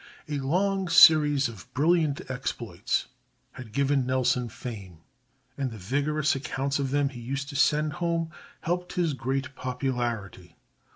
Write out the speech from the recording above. A long series of brilliant exploits had given Nelson fame, and the vigorous accounts of them he used to send home helped his great popularity.